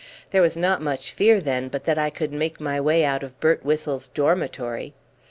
There was not much fear then but that I could make my way out of Birtwhistle's dormitory.